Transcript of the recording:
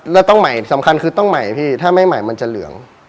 แล้วต้องใหม่สำคัญคือต้องใหม่พี่ถ้าไม่ใหม่มันจะเหลือง